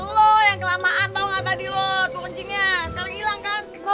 lo yang kelamaan tau gak tadi lo tuh kencingnya sekarang ilang kan